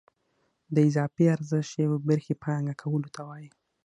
د اضافي ارزښت یوې برخې پانګه کولو ته وایي